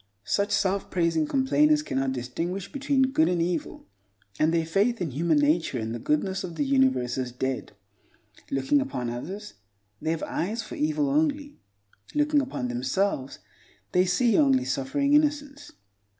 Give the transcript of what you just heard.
Such self praising complainers cannot distinguish between good and evil, and their faith in human nature and the goodness of the universe is dead. Looking upon others, they have eyes for evil only; looking upon themselves, they see only suffering innocence.